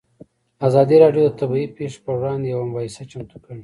ازادي راډیو د طبیعي پېښې پر وړاندې یوه مباحثه چمتو کړې.